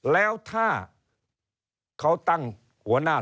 แล้วถ้าเขาตั้งหัวหน้า